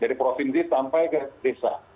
dari provinsi sampai ke desa